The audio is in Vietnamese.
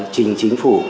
trình chính phủ